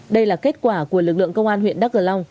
đây là kết quả của lực lượng công an huyện đắk cờ long